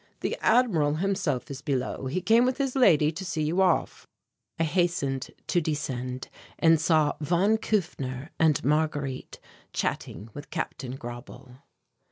"The Admiral himself is below. He came with his lady to see you off." I hastened to descend and saw von Kufner and Marguerite chatting with Captain Grauble.